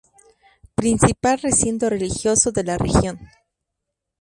Principal recinto religioso de la región.